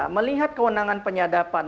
melihat kewenangan penyadapan